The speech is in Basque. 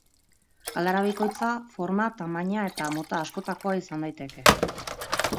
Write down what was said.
Galdara bikoitza forma, tamaina eta mota askotakoa izan daiteke.